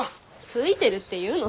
ついてるって言うの？